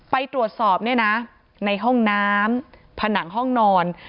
ไปตรวจสอบเนี่ยนะในห้องน้ำผนังห้องนอน